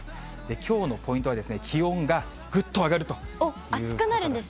きょうのポイントは、気温がぐっと上がるということです。